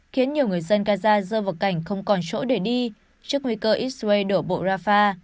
khiến nhiều người dân gaza rơi vào cảnh không còn chỗ để đi trước nguy cơ israel đổ bộ rafah